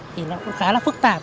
thì nó cũng khá là phức tạp